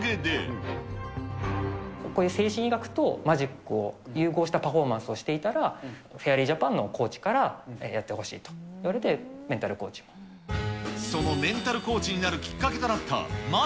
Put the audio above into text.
こういう精神医学とマジックを融合したパフォーマンスをしていたら、フェアリージャパンのコーチから、やってほしいといわれて、そのメンタルコーチになるき